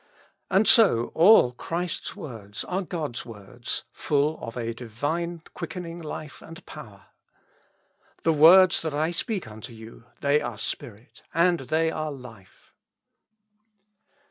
And so all Christ's words are God's words, full of a Divine quickening life and power. " The words that I speak unto you, they are spirit and they are life."